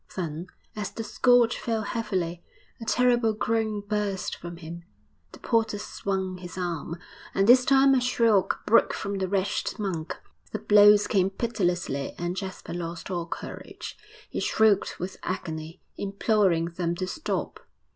Then, as the scourge fell heavily, a terrible groan burst from him. The porter swung his arm, and this time a shriek broke from the wretched monk; the blows came pitilessly and Jasper lost all courage. He shrieked with agony, imploring them to stop.